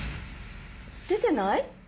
出てない？